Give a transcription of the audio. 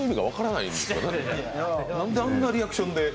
なんであんなリアクションで。